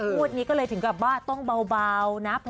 งวดนี้ก็เลยถึงกับว่าต้องเบานะ